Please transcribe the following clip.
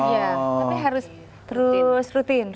tapi harus terus rutin